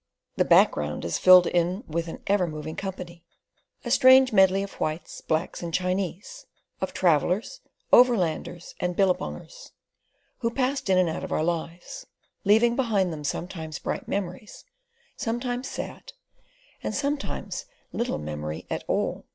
The background is filled in with an ever moving company—a strange medley of Whites, Blacks, and Chinese; of travellers, overlanders, and billabongers, who passed in and out of our lives, leaving behind them sometimes bright memories, sometimes sad, and sometimes little memory at all.